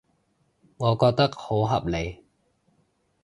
我覺得好合理